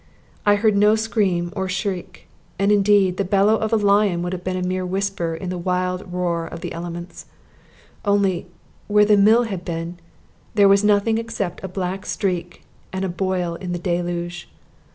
I heard no scream or shriek; and, indeed, the bellow of a lion would have been a mere whisper in the wild roar of the elements. Only, where the mill had been, there was nothing except a black streak and a boil in the deluge.